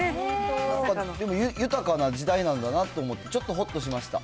でも豊かな時代なんだなと思って、ちょっとほっとしました。